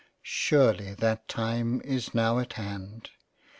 Surely that time is now at hand.